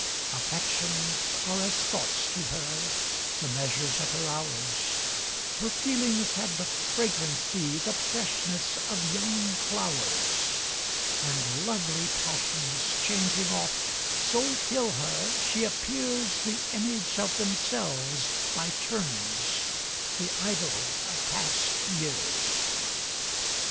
Affections are as thoughts to her, the measures of her hours; Her feelings have the fragrancy, the freshness, of young flowers; And lovely passions, changing oft, so fill her, she appearsThe image of themselves by turns,—the idol of past years!